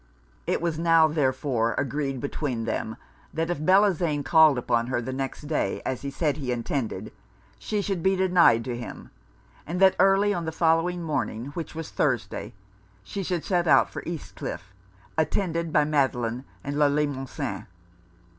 It was now, therefore, agreed between them that if Bellozane called upon her the next day, as he said he intended, she should be denied to him; and that early on the following morning, which was Thursday, she should set out for East Cliff, attended by Madelon and Le Limosin.